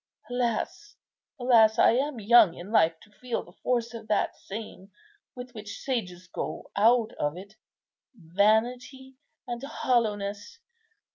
Alas, alas, I am young in life to feel the force of that saying, with which sages go out of it, 'Vanity and hollowness!